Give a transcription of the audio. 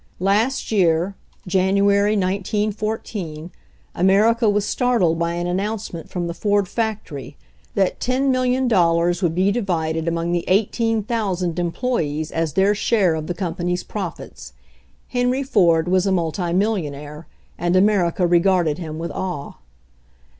Last year — January, ip 14 — America was startled by an announcement from the Ford fac tory that ten million dollars would be divided ♦July 30, 1863. ... 111 I iv FOREWORD among the eighteen thousand employees as their share of the company's profits. Henry Ford was a multimillionaire, and America regarded him with awe.